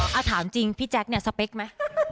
หาถามจริงพี่แจ๊กเนี่ยสเปคนี้มั้ย